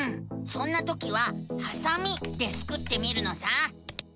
そんなときは「はさみ」でスクってみるのさ！